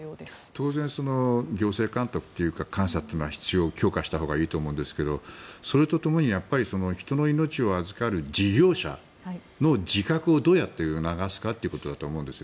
当然、行政監督というか監査というのは必要強化したほうがいいと思うんですがそれと同時に人の命を預かる事業者の自覚をどうやって促すかということだと思うんです。